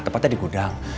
tempatnya di gudang